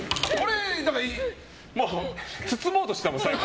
包もうとしてたもん、最後。